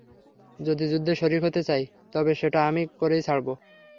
যদি যুদ্ধে শরিক হতে চাই, তবে সেটা আমি করেই ছাড়ব!